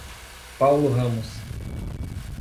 Paulo Ramos